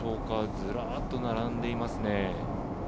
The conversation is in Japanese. ずらっと並んでいますね。